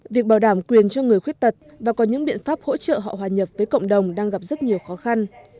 việc bảo đảm quyền cho người khuyết tật và có những biện pháp hỗ trợ họ hòa nhập với cộng đồng đang gặp rất nhiều khó khăn